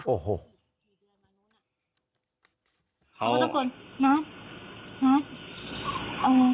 โทษตะโกนนัท